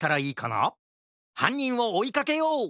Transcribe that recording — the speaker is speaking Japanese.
はんにんをおいかけよう！